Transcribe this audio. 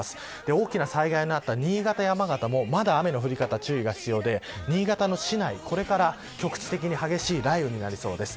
大きな災害があった新潟、山形もまだ注意が必要で、新潟市内これから局地的に激しい雷雨になりそうです。